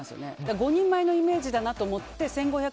５人前のイメージだなと思って１５００